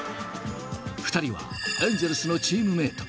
２人はエンゼルスのチームメート。